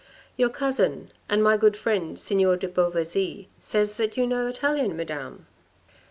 Your cousin, and my good friend, Signor de Beauvaisis says that you know Italian, Madame."